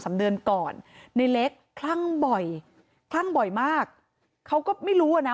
สามเดือนก่อนในเล็กคลั่งบ่อยคลั่งบ่อยมากเขาก็ไม่รู้อ่ะนะ